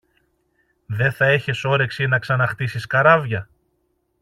Δε θα είχες όρεξη να ξαναχτίσεις καράβια;